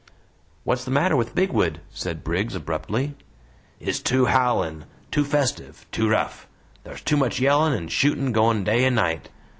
"What's the matter with Bigwood?" said Briggs, abruptly. "It's too howlin', too festive, too rough; thar's too much yellin' and shootin' goin' day and night.